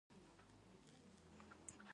یو اداري مرسته کوونکی ورسره کار کوي.